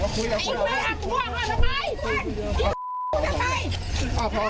สุดท้าย